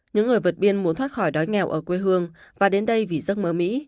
những người vượt biên muốn thoát khỏi đói nghèo ở quê hương và đến đây vì giấc mơ mỹ